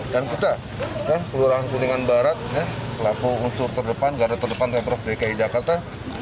dan kita kelurahan kuningan barat pelaku unsur terdepan garah terdepan reprof dki jakarta